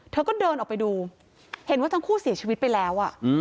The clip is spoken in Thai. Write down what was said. เธอก็เดินออกไปดูเห็นว่าทั้งคู่เสียชีวิตไปแล้ว